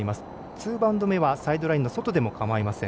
ツーバウンド目はサイドラインの外でも構いません。